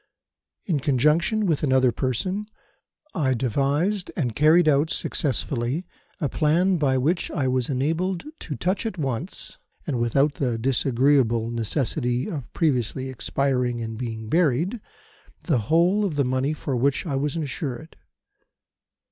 "In conjunction with another person, I devised and carried out successfully a plan by which I was enabled to touch at once, and without the disagreeable necessity of previously expiring and being buried, the whole of the money for which I was insured.